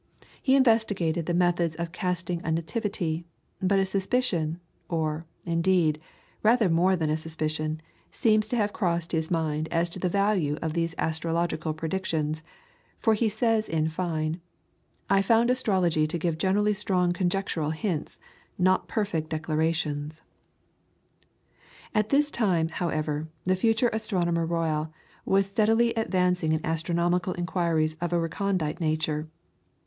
He investigated the methods of casting a nativity, but a suspicion, or, indeed, rather more than a suspicion, seems to have crossed his mind as to the value of these astrological predictions, for he says in fine, "I found astrology to give generally strong conjectural hints, not perfect declarations." All this time, however, the future Astronomer Royal was steadily advancing in astronomical inquiries of a recondite nature.